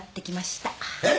えっ！？